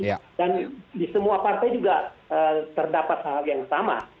dan di semua partai juga terdapat hal yang sama